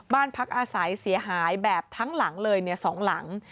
บ้านพักอาศัยเสียหายแบบทั้งหลังเลย๒หลัง